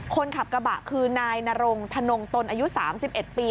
คนขับกระบะคือนายนรงธนงตนอายุ๓๑ปี